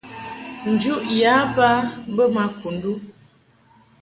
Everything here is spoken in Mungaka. Njuʼ yǎ ba bə ma Kundu.